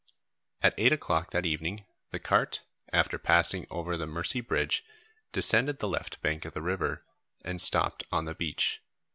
At eight o'clock that evening the cart, after passing over the Mercy bridge, descended the left bank of the river, and stopped on the beach.